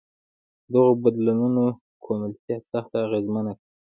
دغو بدلونونو ګواتیمالا سخته اغېزمنه کړه.